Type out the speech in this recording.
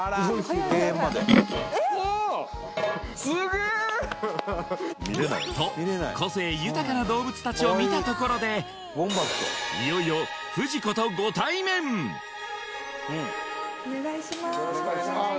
閉園までと個性豊かな動物たちを見たところでいよいよお願いします